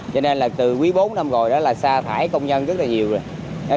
cho nên là từ quý bốn năm rồi đó là xa thải công nhân rất là nhiều rồi